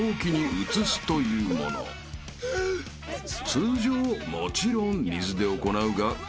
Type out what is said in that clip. ［通常もちろん水で行うが今回は］